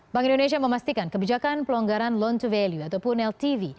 bank indonesia memastikan kebijakan pelonggaran loan to value ataupun ltv